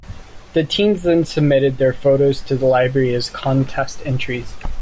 The teens then submitted their photos to the library as contest entries.